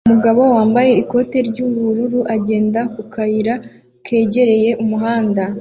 Umugabo wambaye ikote ry'ubururu agenda ku kayira kegereye umuhanda